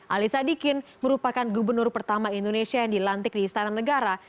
ali sadikin merupakan gubernur pertama indonesia yang dilantik di istana negara